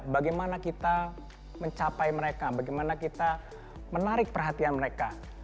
bagaimana kita mencapai mereka bagaimana kita menarik perhatian mereka